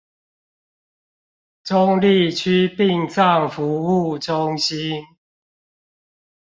中壢區殯葬服務中心